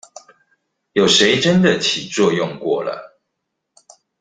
有誰真的起作用過了